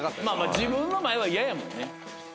自分の前は嫌やもんね。